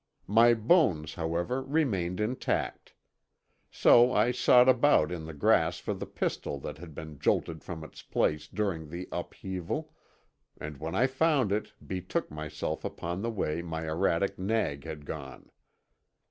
My bones, however, remained intact. So I sought about in the grass for the pistol that had been jolted from its place during the upheaval, and when I found it betook myself upon the way my erratic nag had gone.